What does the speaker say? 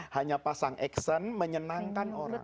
hanya pasang action menyenangkan orang